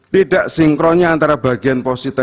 tidak sinkronnya antara bagian positif